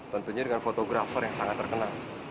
tentunya dengan fotografer yang sangat terkenal